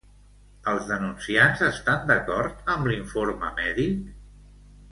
Els denunciants estan d'acord amb l'informe mèdic?